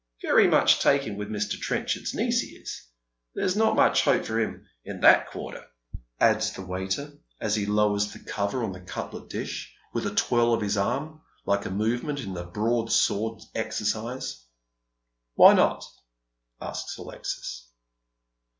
Very much taken wnth Mr. 'reiichard'o niece he is, but there's not much hope for him in that Toum Talk. 171 Saarter,*' adds the waiter, as he lowers the cover on the cutlet ish, with a twirl of his arm like a movement in the broadsword exercise. " Why not ?" asks Alexis.